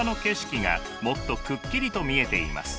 もっとくっきりと見えています。